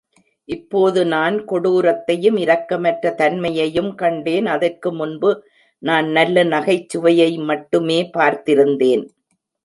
இப்போது நான் கொடூரத்தையும் இரக்கமற்ற தன்மையையும் கண்டேன், அதற்கு முன்பு நான் நல்ல-நகைச்சுவையை மட்டுமே பார்த்திருந்தேன்.